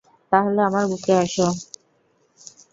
তাহলে আমার বুকে আসো।